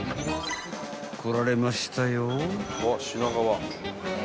［来られましたよ］